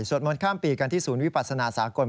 มนต์ข้ามปีกันที่ศูนย์วิปัสนาสากล